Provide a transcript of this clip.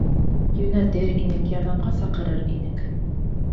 Йүнәтер инек, ярҙамға саҡырыр инек.